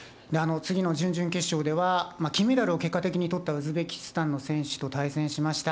次の準々決勝では、金メダルを結果的にとったウズベキスタンの選手と対戦しました。